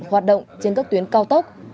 hoạt động trên các tuyến cao tốc